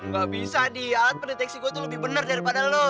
gak bisa nih alat pendeteksi gua tuh lebih bener daripada lu